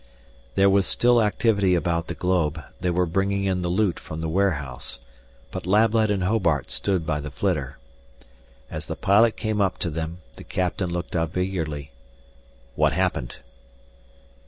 There was still activity about the globe; they were bringing in the loot from the warehouse, but Lablet and Hobart stood by the flitter. As the pilot came up to them, the captain looked up eagerly. "What happened?"